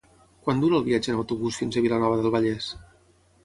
Quant dura el viatge en autobús fins a Vilanova del Vallès?